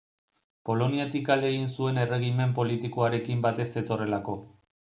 Poloniatik alde egin zuen erregimen politikoarekin bat ez zetorrelako.